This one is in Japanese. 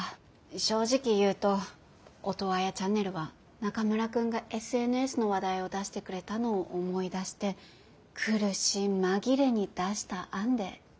正直言うとオトワヤチャンネルは中村くんがＳＮＳの話題を出してくれたのを思い出して苦し紛れに出した案で。